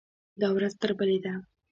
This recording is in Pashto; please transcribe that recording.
دا ورځ تر بلې ده.